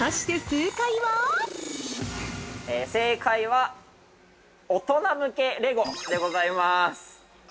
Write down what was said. ◆正解は大人向けレゴでございます。